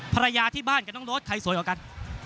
ภรรยาที่บ้านกับน้องโน๊ตใครสวยกว่ากัน